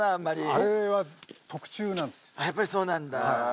やっぱりそうなんだ。